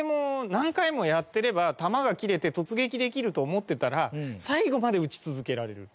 何回もやってれば弾が切れて突撃できると思ってたら最後まで撃ち続けられると。